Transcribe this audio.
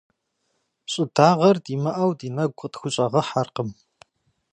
Щӏыдагъэр димыӏэу ди нэгу къытхущӏэгъэхьэркъым.